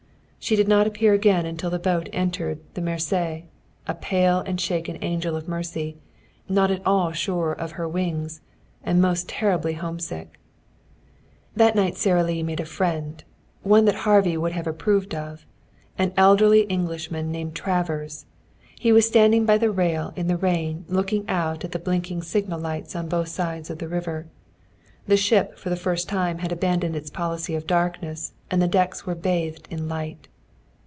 She did not appear again until the boat entered the Mersey, a pale and shaken angel of mercy, not at all sure of her wings, and most terribly homesick. That night Sara Lee made a friend, one that Harvey would have approved of, an elderly Englishman named Travers. He was standing by the rail in the rain looking out at the blinking signal lights on both sides of the river. The ship for the first time had abandoned its policy of darkness and the decks were bathed in light.